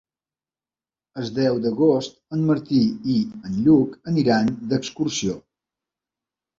El deu d'agost en Martí i en Lluc aniran d'excursió.